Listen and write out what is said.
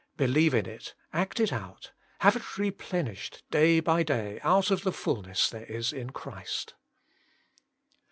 Believe in it. Act it out. Have it replenished day by day out of the fulness there is in Christ.